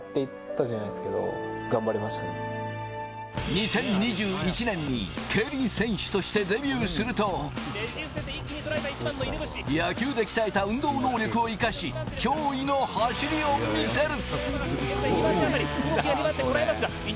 ２０２１年に競輪選手としてデビューすると、野球で鍛えた運動能力を生かし、驚異の走りを見せる。